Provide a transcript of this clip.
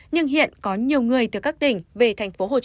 nhưng hiện có nhiều người từ các tỉnh về tp hcm làm việc